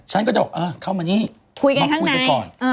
ฉันก็จะบอกเข้ามานี่มาคุยกันก่อน